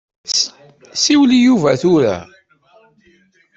Siwel i Yuba tura.